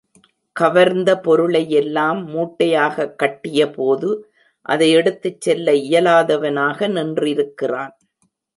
கவர்ந்த பொருளையெல்லாம் மூட்டையாகக் கட்டியபோது அதை எடுத்துச் செல்ல இயலாதவனாக நின்றிருக்கிறான்.